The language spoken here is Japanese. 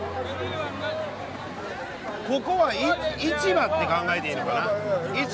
ここは市場って考えていいのかな？